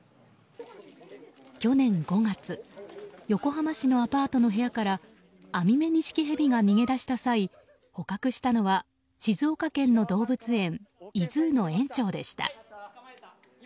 去年５月横浜市のアパートの部屋からアミメニシキヘビが逃げ出した際捕獲したのは静岡県の動物園ｉＺｏｏの園長でした。